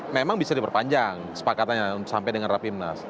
memang bisa diperpanjang sepakatnya sampai dengan raffi ibn nas